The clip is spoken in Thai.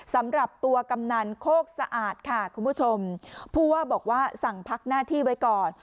สำหรับตัวกำนันโคกสะอาดค่ะคุณผู้ชมผู้ว่าบอกว่าสั่งพักหน้าที่ไว้ก่อน